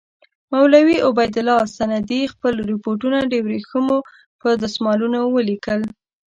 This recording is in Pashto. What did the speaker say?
مولوي عبیدالله سندي خپل رپوټونه د ورېښمو پر دسمالونو ولیکل.